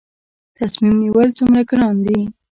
تصمیم نیول څومره ګران دي؟